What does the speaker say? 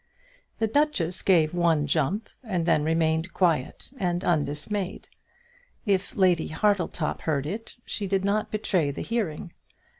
The duchess gave one jump, and then remained quiet and undismayed. If Lady Hartletop heard it, she did not betray the hearing.